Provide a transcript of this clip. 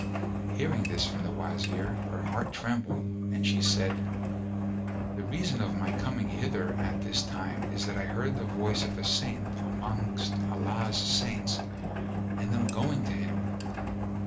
Hearing this from the Wazir, her heart trembled and she said, "The reason of my coming hither at this time is that I heard the voice of a saint amongst Allah's Saints and am going to him."